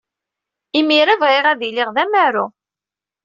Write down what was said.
Imir-a, bɣiɣ ad iliɣ d amaru.